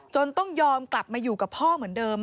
ต้องยอมกลับมาอยู่กับพ่อเหมือนเดิม